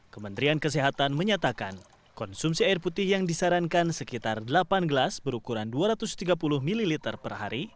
kementerian kesehatan menyatakan konsumsi air putih yang disarankan sekitar delapan gelas berukuran dua ratus tiga puluh ml per hari